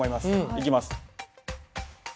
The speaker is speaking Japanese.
いきます。